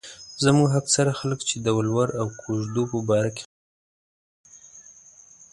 زموږ اکثره خلک چې د ولور او کوژدو په باره کې خبره کوي.